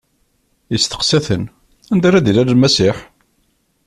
Isteqsa-ten: Anda ara d-ilal Lmasiḥ?